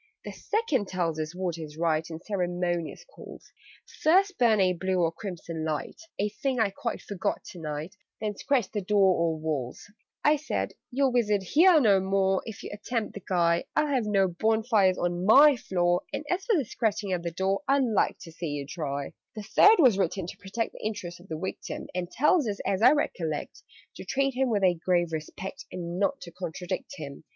"The Second tells us what is right In ceremonious calls: 'First burn a blue or crimson light' (A thing I quite forgot to night), 'Then scratch the door or walls.'" [Illustration: "AND SWING YOURSELF FROM SIDE TO SIDE"] I said "You'll visit here no more, If you attempt the Guy. I'll have no bonfires on my floor And, as for scratching at the door, I'd like to see you try!" "The Third was written to protect The interests of the Victim, And tells us, as I recollect, To treat him with a grave respect, And not to contradict him."